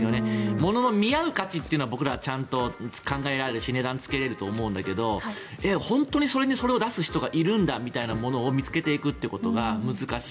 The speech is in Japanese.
物の見合う価値は僕らはちゃんと考えられるし値段をつけられると思うんだけど本当にそれにその値段を出すんだという人を見つけていくということが難しい。